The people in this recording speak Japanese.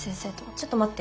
ちょっと待って。